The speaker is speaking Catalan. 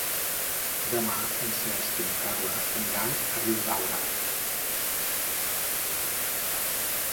Demà en Cesc i na Carla aniran a Riudaura.